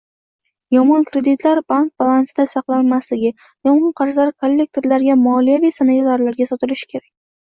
Yomon kreditlar bank balansida saqlanmasligi, yomon qarzlar kollektorlarga - moliyaviy sanitarlarga sotilishi kerak